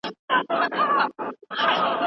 لارښود د مقالې پایلي ارزولې دي.